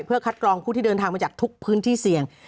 เพื่อคัดกรองผู้ที่เดินทางมาจากทุกพื้นที่เสี่ยง